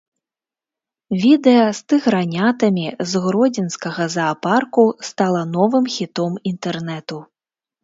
Відэа з тыгранятамі з гродзенскага заапарку стала новым хітом інтэрнэту.